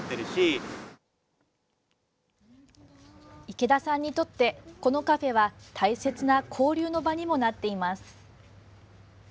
池田さんにとってこのカフェは大切な交流の場にもなっています。